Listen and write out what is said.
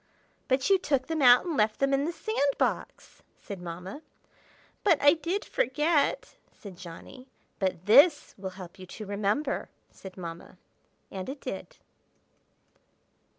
"But you took them out and left them in the sand box!" said Mamma. "But I did forget!" said Johnny. "But this will help you to remember!" said Mamma. And it did.